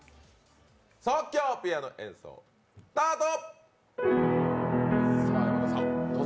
即興ピアノ演奏スタ−ト。